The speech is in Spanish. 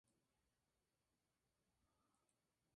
Sin embargo, este plan fracasó debido a la cancelación.